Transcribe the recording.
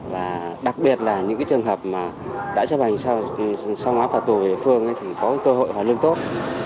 và đặc biệt là những trường hợp mà đã chấp hành xong án phạt tù về địa phương thì có cơ hội hoàn lương tốt